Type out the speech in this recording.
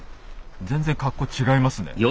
全然格好違いますね。